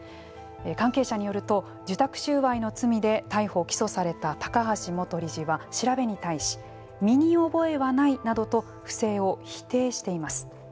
関係者によると受託収賄の罪で逮捕・起訴された高橋元理事は、調べに対し身に覚えはないなどと不正を否定しています。